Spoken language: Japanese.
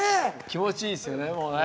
気持ちいいですよねもうね。